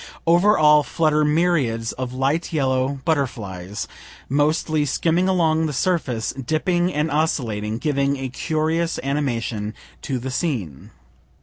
Over all flutter myriads of light yellow butterflies, mostly skimming along the surface, dipping and oscillating, giving a curious animation to the scene.